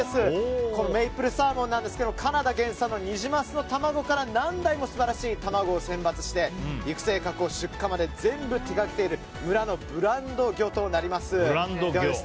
このメイプルサーモンなんですがカナダ原産のニジマスの卵から素晴らしい卵を厳選して育成、加工、出荷まで全部手がけている村のブランド魚となります。